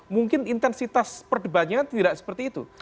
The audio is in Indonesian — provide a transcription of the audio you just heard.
mungkin intensitas perdebatannya tidak seperti itu